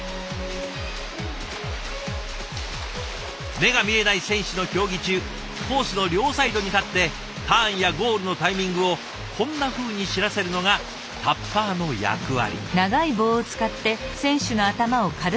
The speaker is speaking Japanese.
目が見えない選手の競技中コースの両サイドに立ってターンやゴールのタイミングをこんなふうに知らせるのがタッパーの役割。